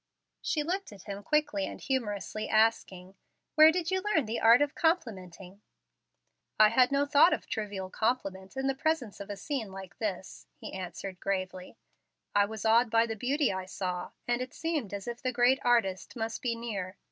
She looked at him quickly and humorously, asking, "Where did you learn the art of complimenting?" "I had no thought of trivial compliment in the presence of a scene like this," he answered gravely; "I was awed by the beauty I saw, and it seemed as if the Great Artist must be near.